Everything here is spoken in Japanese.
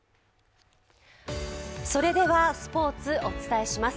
それではスポーツお伝えします。